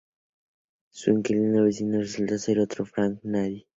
Su inquilino vecino resulta ser otro que Frank nadie.